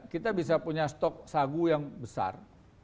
kita bisa punya stok sagu yang besar